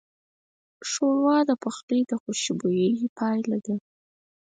ښوروا د پخلي د خوشبویۍ پایله ده.